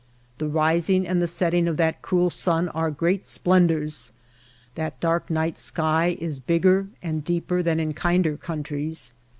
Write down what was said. The rising and the setting of that cruel sun are great splendors, that dark night sky is bigger and deeper than in kinder countries.